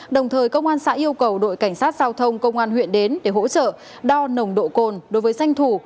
đồng thời công an xã yêu cầu đội cảnh sát giao thông công an huyện đến để hỗ trợ đo nồng độ cồn đối với danh thủ